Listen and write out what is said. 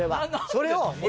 それを。